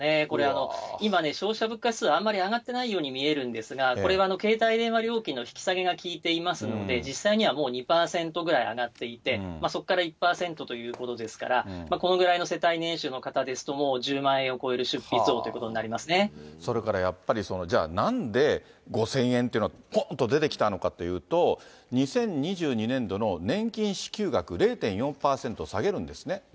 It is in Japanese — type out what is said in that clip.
これ、今ね、消費者物価指数あんまり上がってないように見えるんですが、これは携帯電話料金の引き下げが効いていますので、実際にはもう２％ぐらい上がっていて、そこから１％ということですから、このぐらいの世帯年収の方ですと、もう１０万円を超える出費増といそれからやっぱり、じゃあ、なんで５０００円っていうのがぽんと出てきたのかというと、２０２２年度の年金支給額０．４％下げるんですね。